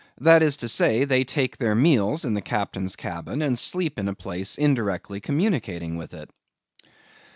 That is to say, they take their meals in the captain's cabin, and sleep in a place indirectly communicating with it.